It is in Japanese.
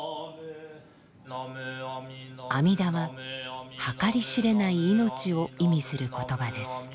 「阿弥陀」は計り知れない命を意味する言葉です。